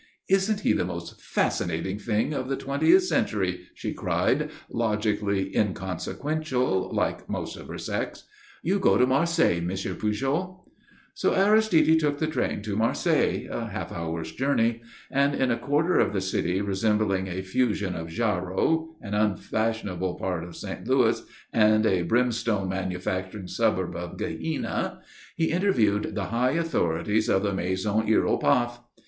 "Isn't he the most fascinating thing of the twentieth century?" she cried, logically inconsequential, like most of her sex. "You go to Marseilles, M. Pujol." So Aristide took the train to Marseilles a half hour's journey and in a quarter of the city resembling a fusion of Jarrow, an unfashionable part of St. Louis, and a brimstone manufacturing suburb of Gehenna, he interviewed the high authorities of the Maison Hiéropath.